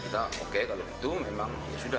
kita oke kalau itu memang ya sudah